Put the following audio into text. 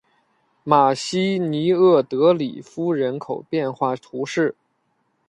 马西尼厄德里夫人口变化图示